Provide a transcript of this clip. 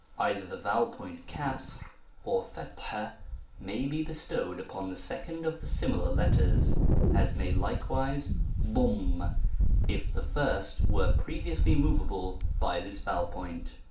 Either the vowel point Kusr or Fut'hah may be bestowed tzpon the second of the similar letters, as may like* \vise Zum if the first were previously moveable by o 909 this vowel point.